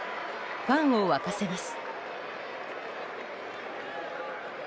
ファンを沸かせます。